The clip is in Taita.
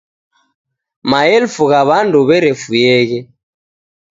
Maelfu gha w'andu w'erefuyeghe.